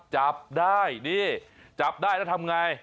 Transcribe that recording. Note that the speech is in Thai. จับได้นี่จับได้แล้วทำไง